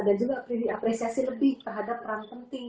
dan juga apresiasi lebih terhadap peran penting